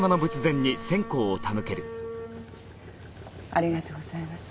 ありがとうございます。